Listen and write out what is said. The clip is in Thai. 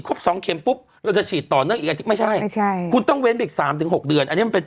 ขึ้นเป็น๑๐เท่า